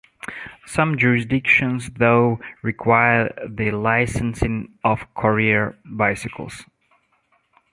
Some jurisdictions, though, require the licensing of courier bicycles.